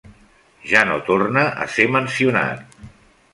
Ja no torna a ser mencionat.